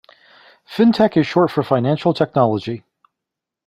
Fintech is short for Financial Technology.